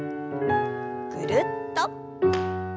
ぐるっと。